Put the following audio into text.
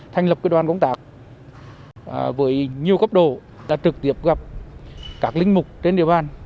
thành lập đoàn công tác với nhiều cấp độ đã trực tiếp gặp các linh mục trên địa bàn